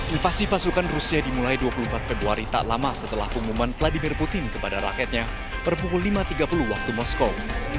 invasi pasukan rusia dimulai dua puluh empat februari tak lama setelah pengumuman vladimir putin kepada rakyatnya per pukul lima tiga puluh waktu moskow